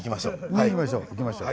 見に行きましょう。